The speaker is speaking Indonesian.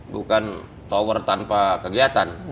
bukan tower tanpa kegiatan